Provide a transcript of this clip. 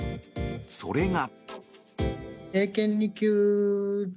それが。